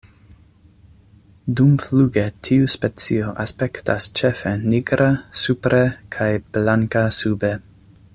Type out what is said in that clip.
Dumfluge tiu specio aspektas ĉefe nigra supre kaj blanka sube.